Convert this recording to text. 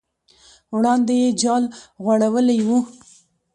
وړاندې یې جال غوړولی و.